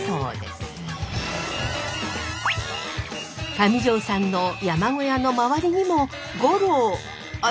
上條さんの山小屋の周りにも五郎あっ